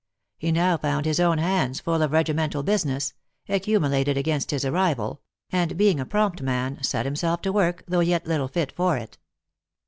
He now found his own hands full of regimen tal business accumulated against his arrival and being a prompt man, set himself to work, though yet little fit for it.